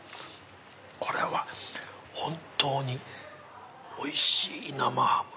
これは本当においしい生ハム。